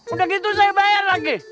udah gitu saya bayar lagi